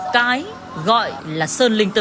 cái gọi là sơn linh tự